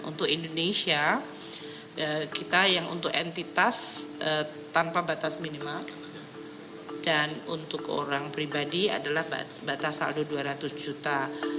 untuk indonesia kita yang untuk entitas tanpa batas minimal dan untuk orang pribadi adalah batas saldo dua ratus juta